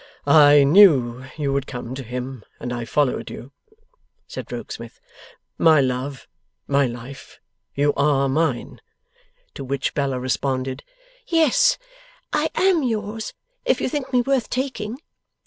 'I knew you would come to him, and I followed you,' said Rokesmith. 'My love, my life! You ARE mine?' To which Bella responded, 'Yes, I AM yours if you think me worth taking!